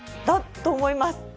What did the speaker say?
だと思います。